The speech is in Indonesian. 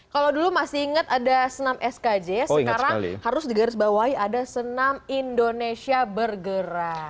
kalau dulu masih ingat ada senam skj sekarang harus digarisbawahi ada senam indonesia bergerak